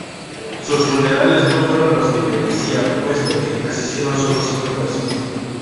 Sus funerales no fueron los que merecía, puesto que asistieron solo cinco personas.